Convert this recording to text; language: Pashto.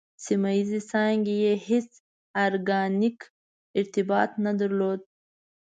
سیمه ییزې څانګې یې هېڅ ارګانیک ارتباط نه درلود.